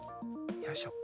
よいしょ。